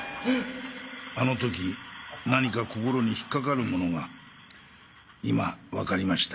あのとき何か心に引っかかるものが今わかりました。